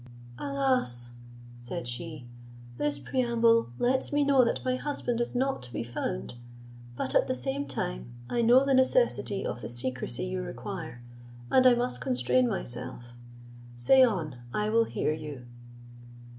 "Alas!" said she, "this preamble lets me know that my husband is not to be found; but at the same time I know the necessity of the secrecy you require, and I must constrain myself: say on, I will hear you."